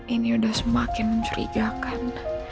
ini udah semakin mencurigakan